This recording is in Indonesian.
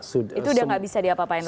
itu sudah tidak bisa diapapain lagi ya